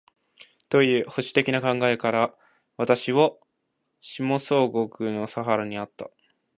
という保守的な考えから、私を下総国（千葉県）の佐原にあった